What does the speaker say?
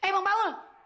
eh bang paul